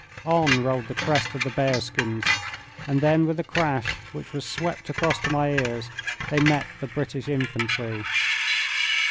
On rolled the crest of the bearskins, and then, with a crash which was swept across to my ears, they met the British infantry.